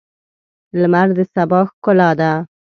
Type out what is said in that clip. لمر د سبا ښکلا ده.